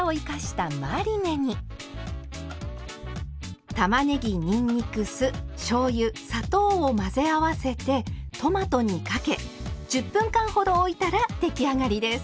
たまねぎにんにく酢しょうゆ砂糖を混ぜ合わせてトマトにかけ１０分間ほどおいたら出来上がりです。